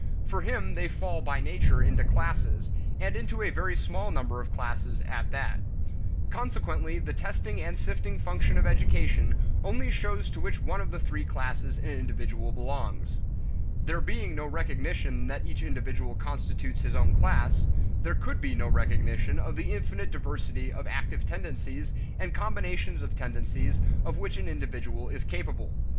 For him they fall by nature into classes, and into a very small number of classes at that. Consequently the testing and sifting function of education only shows to which one of three classes an individual belongs. There being no recognition that each individual constitutes his own class, there could be no recognition of the infinite diversity of active tendencies and combinations of tendencies of which an individual is capable.